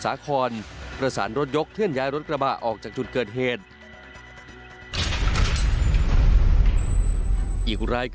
อายุ๕๖ปีผู้กำกับสพมนครสีธรรมราช